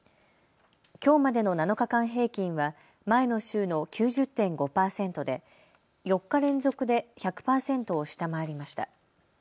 きょうまでの７日間平均は前の週の９０．５％で４日連続で１００％を下回りました。